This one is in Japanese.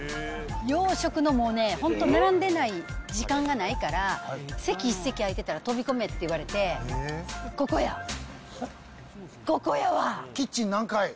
洋食の、もうね、本当、並んでない時間がないから、席、一席空いてたら飛び込めって言わキッチン南海。